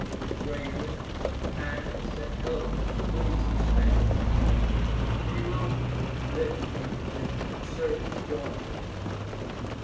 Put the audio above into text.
His bravery, kindness, and eloquence pleased the Spaniards. Many Roman refugees and deserters joined him.